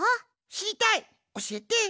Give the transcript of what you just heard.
しりたいおしえて。